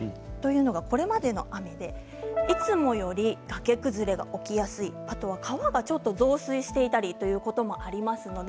これまでの大雨でいつもより崖崩れが起きやすい川がちょっと増水していたりということもあります。